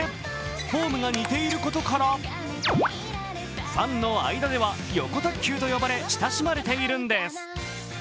フォームが似ていることからファンの間では、よこたっきゅうと呼ばれ、親しまれているんです。